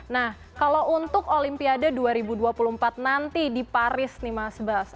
nah kalau untuk olimpiade dua ribu dua puluh empat nanti di paris nih mas bas